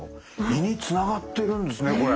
胃につながってるんですねこれ。